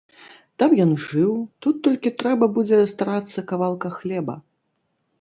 Там ён жыў, тут толькі трэба будзе старацца кавалка хлеба.